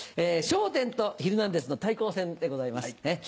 『笑点』と『ヒルナンデス！』の対抗戦でございます。